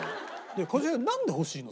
一茂さんなんで欲しいの？